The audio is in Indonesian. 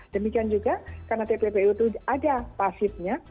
demikian juga karena tppu itu ada pasifnya